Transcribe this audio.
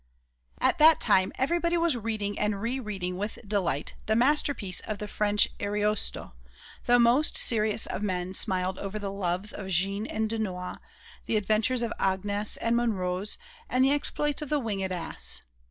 " At that time everybody was reading and re reading with delight the masterpiece of the French Ariosto; the most serious of men smiled over the loves of Jeanne and Dunois, the adventures of Agnès and Monrose and the exploits of the winged ass.